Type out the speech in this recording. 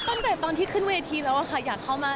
ตั้งแต่ตอนที่ขึ้นเวทีแล้วค่ะอยากเข้ามา